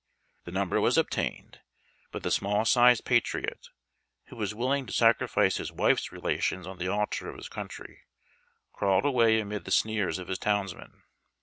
The number was obtained ; but the small sized patriot, who was willing to sacritice his ivife's relations on the altar of his country, crawled away amid the sneers of his townsmen.